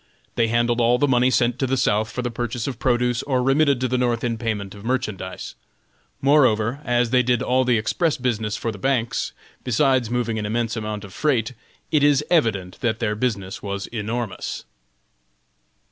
They handled all the money sent to the South for the purchase of produce, or remitted to the North in payment of merchandise. Moreover, as they did all the express business for the banks, besides moving an immense amount of freight, it is evident that their business was enormous.